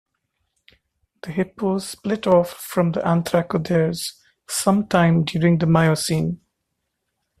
The hippos split off from the anthracotheres some time during the Miocene.